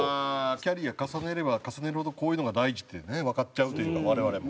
キャリア重ねれば重ねるほどこういうのが大事っていうねわかっちゃうというか我々も。